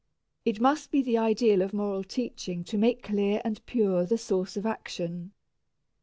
It must be the ideal of moral teaching to make clear and pure the source of action.